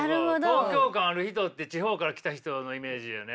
東京感ある人って地方から来た人のイメージよね。